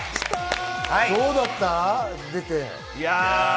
どうだった？出て。